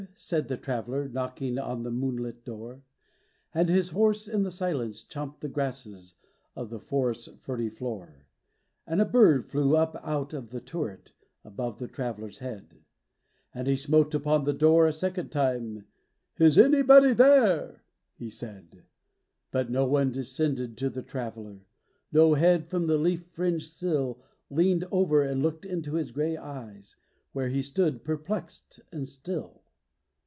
said the Traveler, Knocking on the moonlit door; And his horse in the silence chomped the grasses Of the forest's ferny floor. And a bird flew up out of the turret, Above the traveler's head: And he smote upon the door a second time; "Is there anybody there?" he said. But no one descended to the Traveler; No head from the leaf fringed sill Leaned over and looked into his gray eyes, Where he stood perplexed and still.